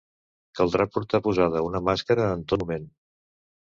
Caldrà portar posada una màscara en tot moment.